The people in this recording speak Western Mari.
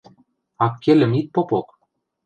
– Аккелӹм ит попок.